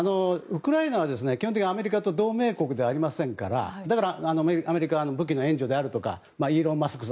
ウクライナは基本的にアメリカと同盟国ではありませんからだからアメリカは武器の援助であるとかイーロン・マスク